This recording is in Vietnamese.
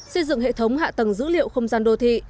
xây dựng hệ thống hạ tầng dữ liệu không gian đô thị